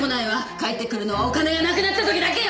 帰ってくるのはお金がなくなった時だけよ！